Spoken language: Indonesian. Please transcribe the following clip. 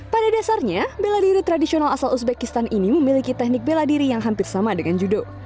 pada dasarnya bela diri tradisional asal uzbekistan ini memiliki teknik bela diri yang hampir sama dengan judo